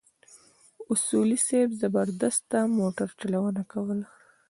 اصولي صیب زبردسته موټرچلونه کوله.